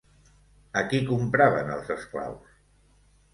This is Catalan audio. A qui compraven els esclaus?